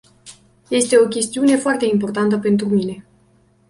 Este o chestiune foarte importantă pentru mine.